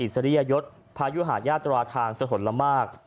สริยยศพายุหาญาตราทางสถลมาก